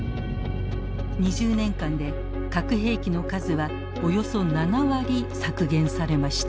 ２０年間で核兵器の数はおよそ７割削減されました。